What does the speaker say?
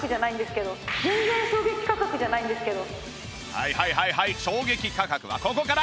はいはいはいはい衝撃価格はここから！